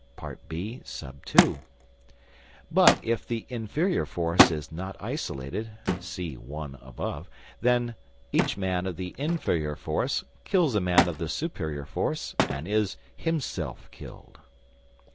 (ii) But if the inferior force is not isolated (see (1) above), then each man of the inferior force kills a man of the superior force and is himself killed.